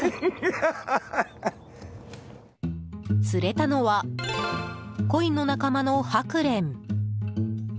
釣れたのはコイの仲間のハクレン。